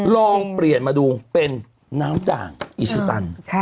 ลองเปลี่ยนมาดูเป็นน้ำด่างอิชิตัน